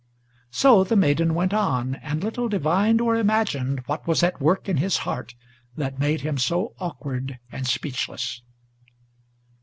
So the maiden went on, and little divined or imagined What was at work in his heart, that made him so awkward and speechless.